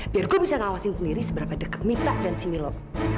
biar gue bisa ngawasin sendiri seberapa deket mita dan si milo